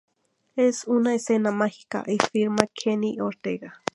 Es una escena mágica, afirma Kenny Ortega.